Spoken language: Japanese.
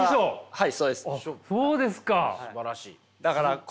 はい。